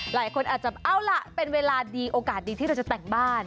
หลายคนอาจจะเอาล่ะเป็นเวลาดีโอกาสดีที่เราจะแต่งบ้าน